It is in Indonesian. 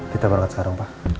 kita balik sekarang pak